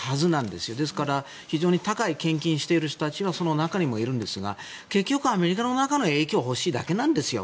ですから非常に高い献金している人たちがその中にもいるんですが結局、アメリカの中の影響が欲しいだけなんですよ。